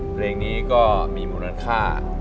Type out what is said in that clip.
เพลงนี้ก็มีมูลค่า